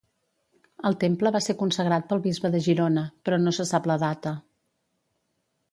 El temple va ser consagrat pel bisbe de Girona, però no se sap la data.